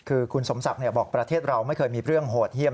คือคุณสมศักดิ์บอกประเทศเราไม่เคยมีเรื่องโหดเยี่ยม